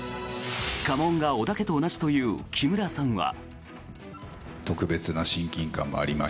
家紋が織田家と同じという木村さんは。